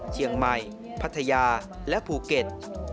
เชียงใหม่พัทยาและภูเก็ต